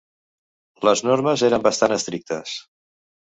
Les normes eren bastant estrictes.